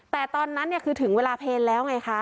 แต่ตอนนั้นคือถึงเวลาเพลนแล้วไงคะ